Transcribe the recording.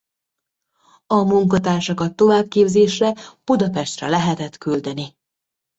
A munkatársakat továbbképzésre Budapestre lehetett küldeni.